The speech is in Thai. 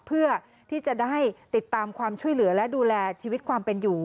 เพื่อที่จะได้ติดตามความช่วยเหลือและดูแลชีวิตความเป็นอยู่